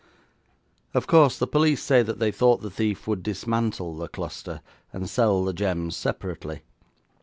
Of course, the police say that they thought the thief would dismantle the cluster, and sell the gems separately.